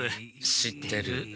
知ってる。